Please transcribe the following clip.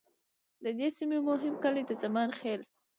د دې سیمې مهم کلي د زمان خیل،